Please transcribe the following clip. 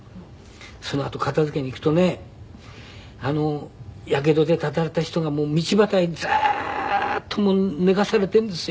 そのあと片付けに行くとねヤケドでただれた人が道端へずーっと寝かされているんですよ。